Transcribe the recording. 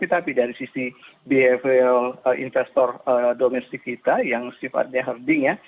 tapi dari sisi behavior investor domestik kita yang sifatnya hearding ya